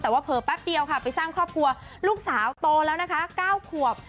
แต่ว่าเผลอแป๊บเดียวค่ะไปสร้างครอบครัวลูกสาวโตแล้วนะคะ๙ขวบ